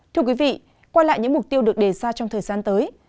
thưa quý vị qua lại những mục tiêu được đề ra trong thời gian tới